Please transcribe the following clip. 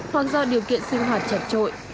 hoặc do điều kiện sinh hoạt chật trội